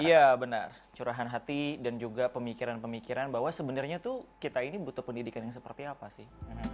iya benar curahan hati dan juga pemikiran pemikiran bahwa sebenarnya tuh kita ini butuh pendidikan yang seperti apa sih